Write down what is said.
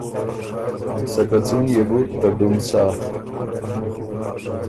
سکه څُون يې بو ته ډُم سَۀ۔